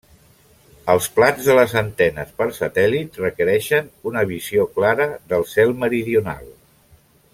Els plats de les antenes per satèl·lit requereixen una visió clara del cel meridional.